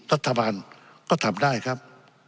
รัฐบาลก็ทำได้ครับ